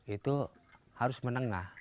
itu harus menengah